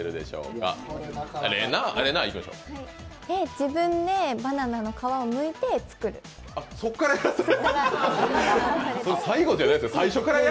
自分でバナナの皮をむいて作る。